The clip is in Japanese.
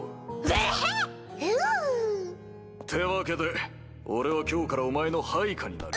えぇ⁉ヒュ！ってわけで俺は今日からお前の配下になる。